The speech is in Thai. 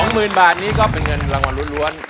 หมื่นบาทนี้ก็เป็นเงินรางวัลล้วน